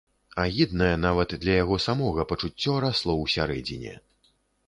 Агіднае, нават для яго самога, пачуццё расло ўсярэдзіне.